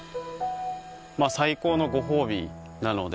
まあ最高のご褒美なので